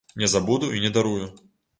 Не забуду і не дарую.